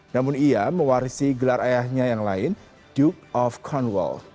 namun ia mewarisi gelar ayahnya yang lain duke of cornwall